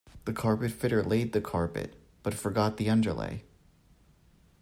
The carpet fitter laid the carpet, but forgot the underlay